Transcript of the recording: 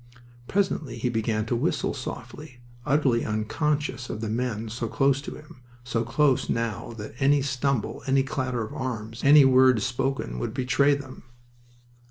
Presently he began to whistle softly, utterly unconscious of the men so close to him so close now that any stumble, any clatter of arms, any word spoken, would betray them.